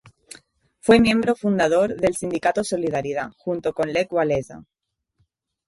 Fue miembro fundador del sindicato Solidaridad, junto con Lech Wałęsa.